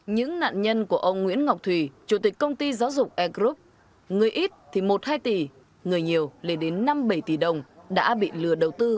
những nạn nhân của ông nguyễn ngọc thủy chủ tịch công ty giáo dục e group người ít thì một hai tỷ người nhiều lên đến năm bảy tỷ đồng đã bị lừa đầu tư